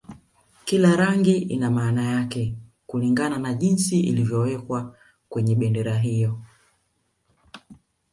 Kila rangi ina maana yake kulingana na jinsi ilivyowekwa kwenye bendera hiyo